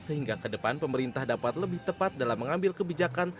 sehingga ke depan pemerintah dapat lebih tepat dalam mengambil kebijakan